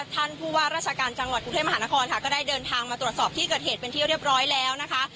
ท่านผู้ว่าราชการจังหวัดกรุงเทพมหานครค่ะก็ได้เดินทางมาตรวจสอบที่เกิดเหตุเป็นที่เรียบร้อยแล้วนะคะ